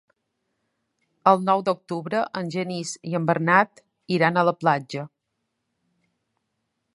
El nou d'octubre en Genís i en Bernat iran a la platja.